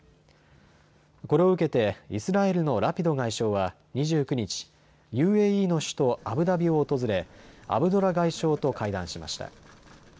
これを受けてイスラエルのラピド外相は２９日、ＵＡＥの首都アブダビを訪れアブドラ外相と会談しました。